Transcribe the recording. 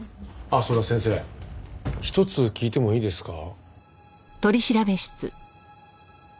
あっそうだ先生一つ聞いてもいいですか？